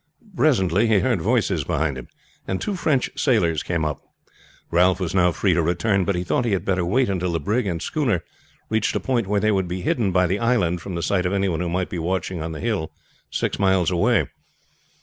Presently he heard voices behind him, and two French sailors came up. Ralph was now free to return, but he thought he had better wait until the brig and schooner reached a point where they would be hidden by the island from the sight of any one who might be watching on the hill six miles away.